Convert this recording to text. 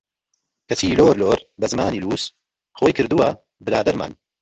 کەچی لۆر لۆر بە زمانی لووس، خۆی کردەوە برادەرمان!